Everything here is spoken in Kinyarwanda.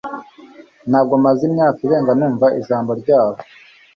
Ntabwo maze imyaka irenga numva ijambo ryabo